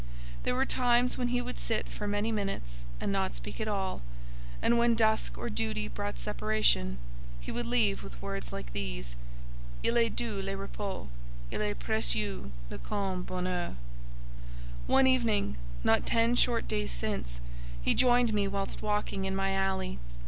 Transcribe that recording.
There were times when he would sit for many minutes and not speak at all; and when dusk or duty brought separation, he would leave with words like these, "Il est doux, le repos! Il est précieux le calme bonheur!" One evening, not ten short days since, he joined me whilst walking in my alley.